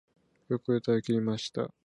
よく歌い切りました